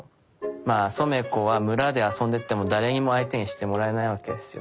まぁソメコは村で遊んでても誰にも相手にしてもらえないわけですよ。